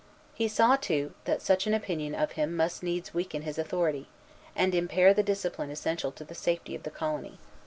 He saw, too, that such an opinion of him must needs weaken his authority, and impair the discipline essential to the safety of the colony.